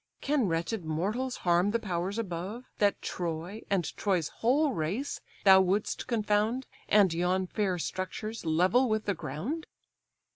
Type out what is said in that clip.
Can wretched mortals harm the powers above, That Troy, and Troy's whole race thou wouldst confound, And yon fair structures level with the ground!